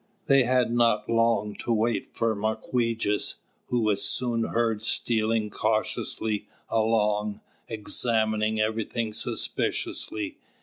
They had not long to wait for Mawquejess, who was soon heard stealing cautiously along, examining everything suspiciously.